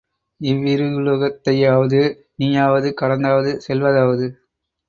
இவ்விருளுலகத்தையாவது நீயாவது கடந்தாவது செல்வ தாவது?